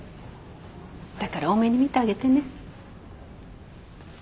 だから大目に見てあげてね。